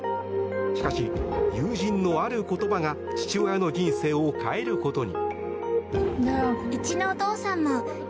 しかし友人のある言葉が父親の人生を変えることに。